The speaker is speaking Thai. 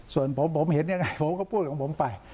ส่วนผมผมเห็นยังไงผมก็พูดของผมไป